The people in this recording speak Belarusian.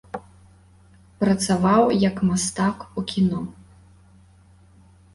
Працаваў як мастак у кіно.